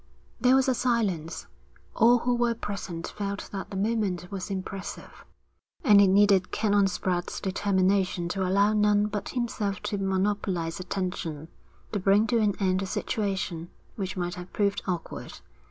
There was a silence. All who were present felt that the moment was impressive, and it needed Canon Spratte's determination to allow none but himself to monopolise attention, to bring to an end a situation which might have proved awkward.